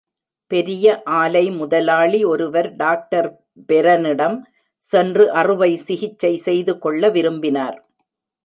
பெரிய ஆலை முதலாளி ஒருவர் டாக்டர் பெரனிடம் சென்று அறுவை சிகிச்சை செய்துகொள்ள விரும்பினார்.